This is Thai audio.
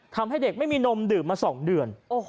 ทำให้เด็กไม่มีนมดื่มมา๒เดือน